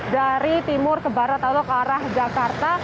dari timur ke barat atau ke arah jakarta